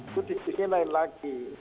itu dikikikikan lain lagi